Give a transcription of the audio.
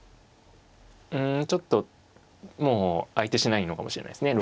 うんちょっともう相手しないのかもしれないですね。